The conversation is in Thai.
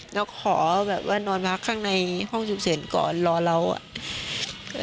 เราขอนอนผ้าข้างในห้องจุเสียงก่อนรอเราร